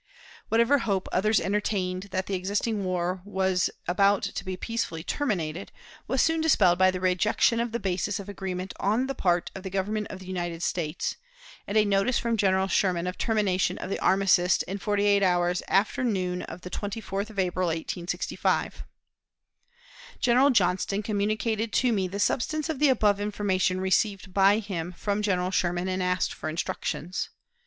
Whatever hope others entertained that the existing war was about to be peacefully terminated, was soon dispelled by the rejection of the basis of agreement on the part of the Government of the United States, and a notice from General Sherman of termination of the armistice in forty eight hours after noon of the 24th of April, 1865. General Johnston communicated to me the substance of the above information received by him from General Sherman, and asked for instructions.